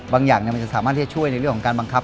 อย่างมันจะสามารถที่จะช่วยในเรื่องของการบังคับ